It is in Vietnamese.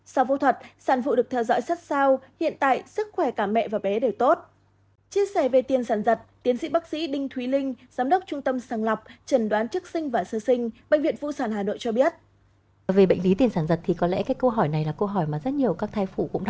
sau phô thuật sản phụ được theo dõi sát sao hiện tại sức khỏe cả mẹ và bé đều tốt